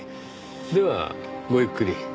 ではごゆっくり。